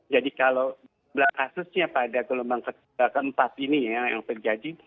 jadi kalau berdasarkan kasusnya pada gelombang keempat ini yang terjadi